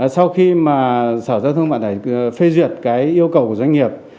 sau khi sở giao thông vận tải phê duyệt yêu cầu của doanh nghiệp